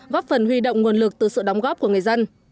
góp phần huy động nguồn lực từ sự đóng góp của người dân